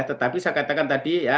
tetapi saya katakan tadi ya